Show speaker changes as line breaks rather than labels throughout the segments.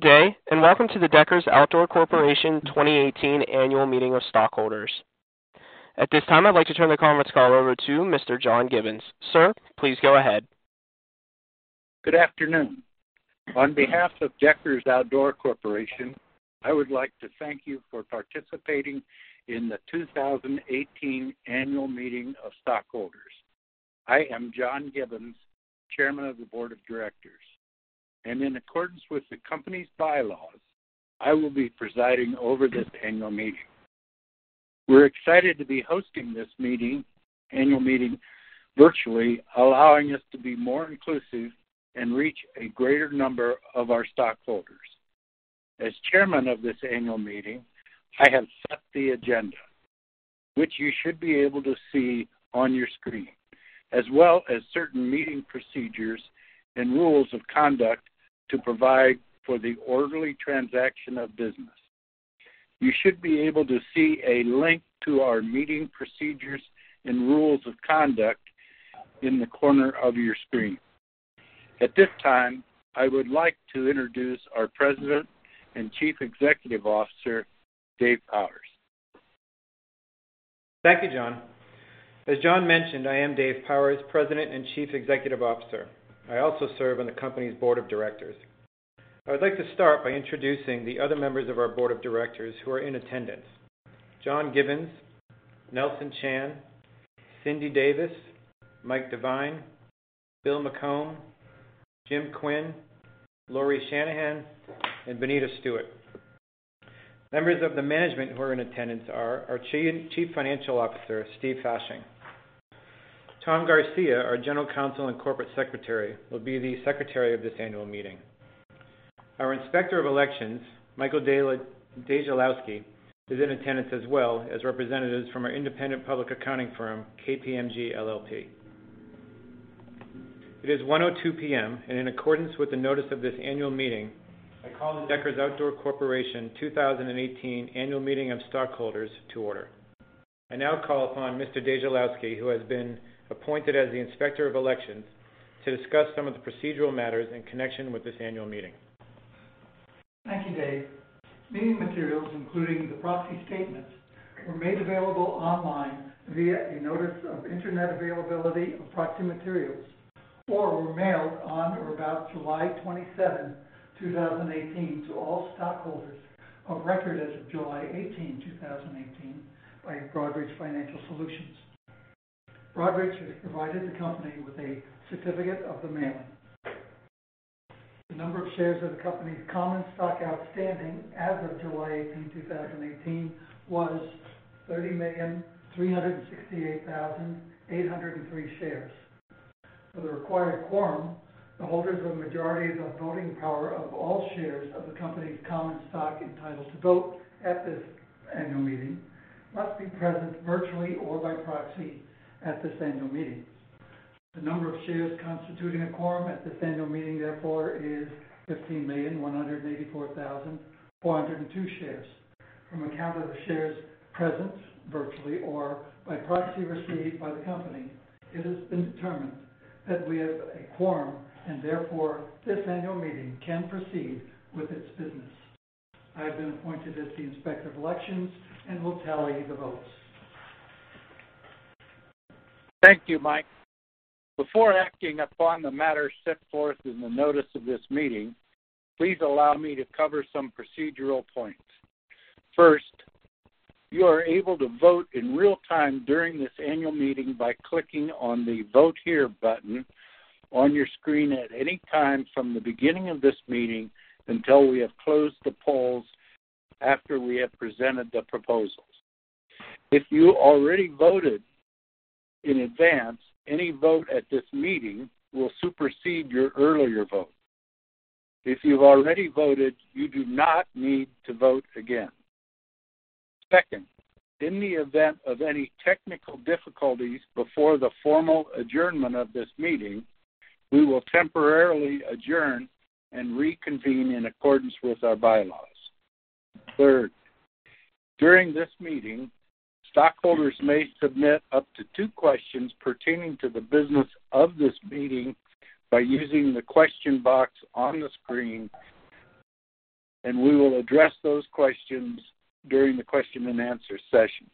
Day. Welcome to the Deckers Outdoor Corporation 2018 Annual Meeting of Stockholders. At this time, I'd like to turn the conference call over to Mr. John Gibbons. Sir, please go ahead.
Good afternoon. On behalf of Deckers Outdoor Corporation, I would like to thank you for participating in the 2018 Annual Meeting of Stockholders. I am John Gibbons, Chairman of the Board of Directors, in accordance with the company's bylaws, I will be presiding over this annual meeting. We're excited to be hosting this annual meeting virtually, allowing us to be more inclusive and reach a greater number of our stockholders. As Chairman of this annual meeting, I have set the agenda, which you should be able to see on your screen, as well as certain meeting procedures and rules of conduct to provide for the orderly transaction of business. You should be able to see a link to our meeting procedures and rules of conduct in the corner of your screen. At this time, I would like to introduce our President and Chief Executive Officer, Dave Powers.
Thank you, John. As John mentioned, I am Dave Powers, President and Chief Executive Officer. I also serve on the company's Board of Directors. I would like to start by introducing the other members of our Board of Directors who are in attendance. John Gibbons, Nelson Chan, Cindy Davis, Mike Devine, Bill McComb, Jim Quinn, Lauri Shanahan, and Bonita Stewart. Members of the management who are in attendance are our Chief Financial Officer, Steve Fasching. Tom Garcia, our General Counsel and Corporate Secretary, will be the Secretary of this annual meeting. Our Inspector of Elections, Michael Dajzlowski, is in attendance as well as representatives from our independent public accounting firm, KPMG LLP. It is 1:02 P.M. In accordance with the notice of this annual meeting, I call the Deckers Outdoor Corporation 2018 Annual Meeting of Stockholders to order. I now call upon Mr. Dajzlowski, who has been appointed as the Inspector of Elections, to discuss some of the procedural matters in connection with this annual meeting.
Thank you, Dave. Meeting materials, including the proxy statement, were made available online via a notice of internet availability of proxy materials or were mailed on or about July 27, 2018, to all stockholders of record as of July 18, 2018, by Broadridge Financial Solutions. Broadridge has provided the company with a certificate of the mailing. The number of shares of the company's common stock outstanding as of July 18, 2018, was 30,368,803 shares. For the required quorum, the holders of a majority of the voting power of all shares of the company's common stock entitled to vote at this annual meeting must be present virtually or by proxy at this annual meeting. The number of shares constituting a quorum at this annual meeting, therefore, is 15,184,402 shares. From a count of the shares present virtually or by proxy received by the company, it has been determined that we have a quorum and therefore this annual meeting can proceed with its business. I have been appointed as the Inspector of Elections and will tally the votes.
Thank you, Mike. Before acting upon the matter set forth in the notice of this meeting, please allow me to cover some procedural points. First, you are able to vote in real time during this annual meeting by clicking on the Vote Here button on your screen at any time from the beginning of this meeting until we have closed the polls after we have presented the proposals. If you already voted in advance, any vote at this meeting will supersede your earlier vote. If you've already voted, you do not need to vote again. Second, in the event of any technical difficulties before the formal adjournment of this meeting, we will temporarily adjourn and reconvene in accordance with our bylaws. Third, during this meeting, stockholders may submit up to two questions pertaining to the business of this meeting by using the question box on the screen, we will address those questions during the question and answer session.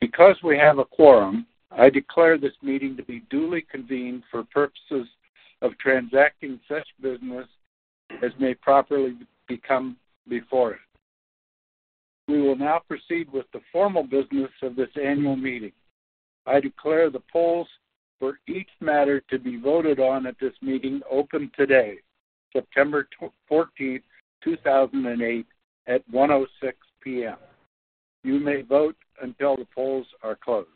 Because we have a quorum, I declare this meeting to be duly convened for purposes of transacting such business as may properly come before it. We will now proceed with the formal business of this annual meeting. I declare the polls for each matter to be voted on at this meeting open today, September 14, 2018, at 1:06 P.M. You may vote until the polls are closed.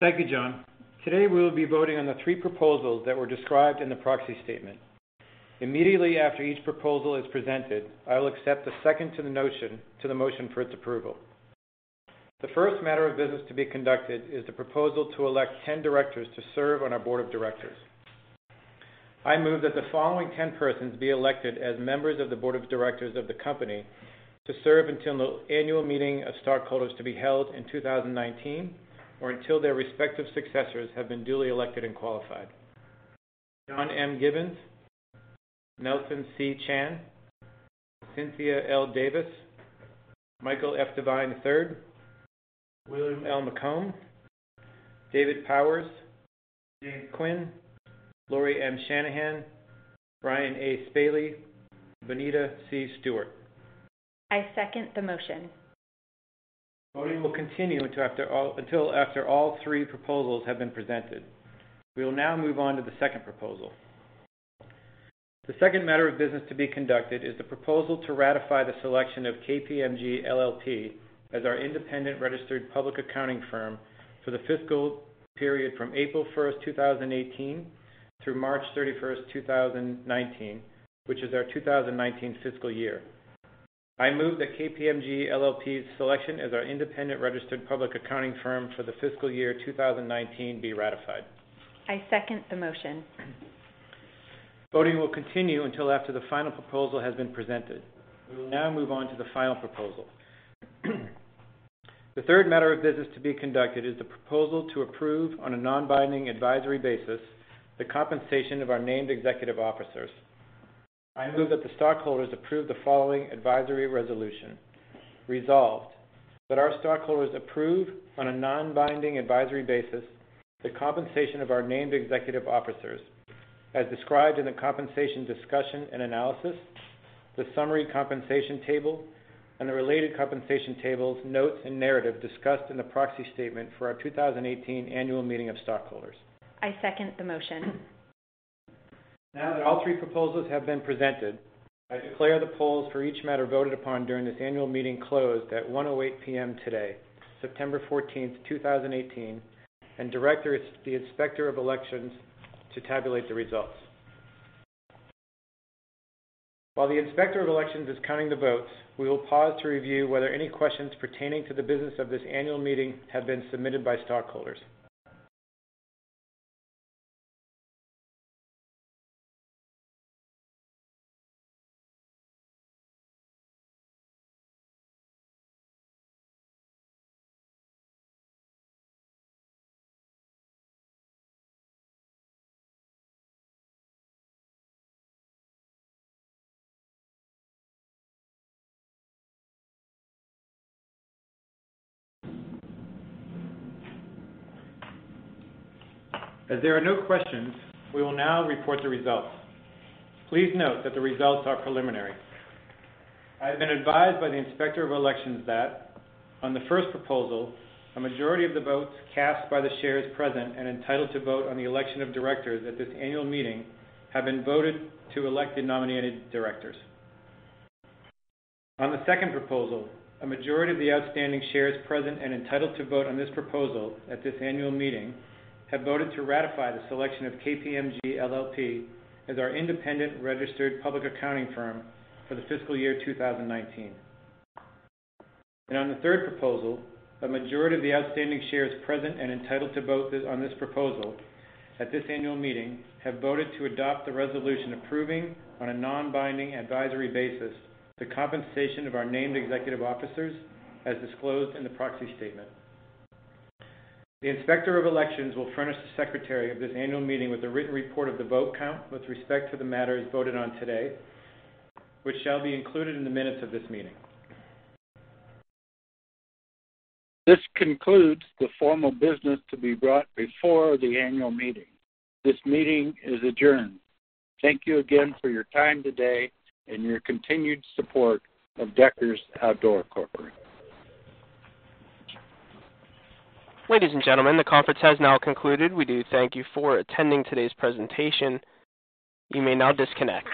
Thank you, John. Today, we'll be voting on the three proposals that were described in the proxy statement. Immediately after each proposal is presented, I will accept a second to the motion for its approval. The first matter of business to be conducted is the proposal to elect 10 directors to serve on our board of directors. I move that the following 10 persons be elected as members of the board of directors of the company to serve until the annual meeting of stockholders to be held in 2019 or until their respective successors have been duly elected and qualified. John M. Gibbons, Nelson C. Chan, Cynthia L. Davis, Michael F. Devine III, William L. McComb, Dave Powers, James Quinn, Lauri M. Shanahan, Brian A. Spaly, and Bonita C. Stewart.
I second the motion.
Voting will continue until after all three proposals have been presented. We will now move on to the second proposal. The second matter of business to be conducted is the proposal to ratify the selection of KPMG LLP as our independent registered public accounting firm for the fiscal period from April 1st, 2018 through March 31st, 2019, which is our 2019 fiscal year. I move that KPMG LLP's selection as our independent registered public accounting firm for the fiscal year 2019 be ratified.
I second the motion.
Voting will continue until after the final proposal has been presented. We will now move on to the final proposal. The third matter of business to be conducted is the proposal to approve, on a non-binding advisory basis, the compensation of our named executive officers. I move that the stockholders approve the following advisory resolution. Resolved, that our stockholders approve, on a non-binding advisory basis, the compensation of our named executive officers as described in the Compensation Discussion and Analysis, the Summary Compensation Table, and the related compensation table's notes and narrative discussed in the proxy statement for our 2018 annual meeting of stockholders.
I second the motion.
Now that all three proposals have been presented, I declare the polls for each matter voted upon during this annual meeting closed at 1:08 P.M. today, September 14th, 2018, and direct the Inspector of Elections to tabulate the results. While the Inspector of Elections is counting the votes, we will pause to review whether any questions pertaining to the business of this annual meeting have been submitted by stockholders. As there are no questions, we will now report the results. Please note that the results are preliminary. I have been advised by the Inspector of Elections that on the first proposal, a majority of the votes cast by the shares present and entitled to vote on the election of directors at this annual meeting have been voted to elect the nominated directors. On the second proposal, a majority of the outstanding shares present and entitled to vote on this proposal at this annual meeting have voted to ratify the selection of KPMG LLP as our independent registered public accounting firm for the fiscal year 2019. On the third proposal, a majority of the outstanding shares present and entitled to vote on this proposal at this annual meeting have voted to adopt the resolution approving, on a non-binding advisory basis, the compensation of our named executive officers as disclosed in the proxy statement. The Inspector of Elections will furnish the secretary of this annual meeting with a written report of the vote count with respect to the matters voted on today, which shall be included in the minutes of this meeting.
This concludes the formal business to be brought before the annual meeting. This meeting is adjourned. Thank you again for your time today and your continued support of Deckers Outdoor Corporation.
Ladies and gentlemen, the conference has now concluded. We do thank you for attending today's presentation. You may now disconnect.